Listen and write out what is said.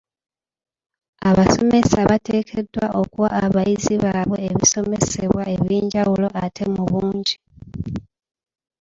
Abasomesa bateekeddwa okuwa abayizi baabwe ebisomesebwa eby'enjawulo ate mu bungi.